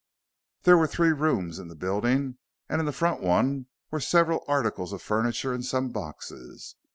There were three rooms in the building and in the front one were several articles of furniture and some boxes.